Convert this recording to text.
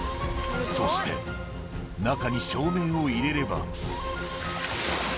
そして、中に照明を入れれば。